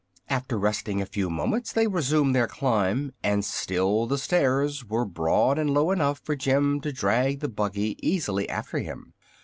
After resting a few moments they resumed their climb, and still the stairs were broad and low enough for Jim to draw the buggy easily after him.